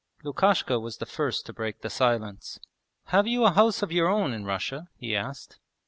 Lukashka was the first to break the silence. 'Have you a house of your own in Russia?' he asked.